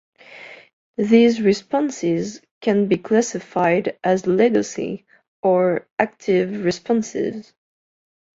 These responses can be classified as legacy or active responses.